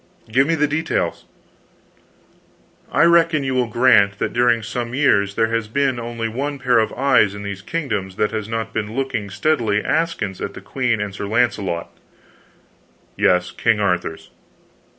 "Give me the details." "I reckon you will grant that during some years there has been only one pair of eyes in these kingdoms that has not been looking steadily askance at the queen and Sir Launcelot " "Yes, King Arthur's."